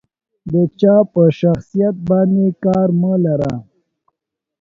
د جا په شخصيت باندې کار مه لره.